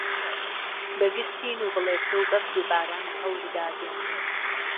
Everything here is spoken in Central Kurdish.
بەگژ تین و بڵێسە و بەفر و باران و هەوردا دێن